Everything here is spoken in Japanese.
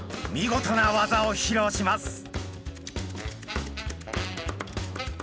見事な技を披露します。